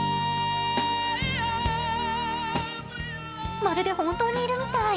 まるで本当にいるみたい。